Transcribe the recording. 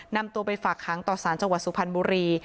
นำตัวไปฝากค้างต่อสารจังหวัดสุพรรณบุรี